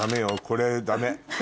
これダメ。